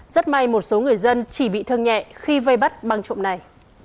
rất may một số người dân chỉ bị thương nhẹ khi vây bắt băng trộm này